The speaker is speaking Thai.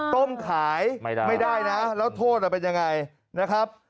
ต้มขายไม่ได้นะแล้วโทษเป็นยังไงนะครับ